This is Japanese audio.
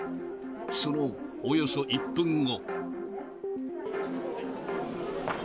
そのおよそ１分後。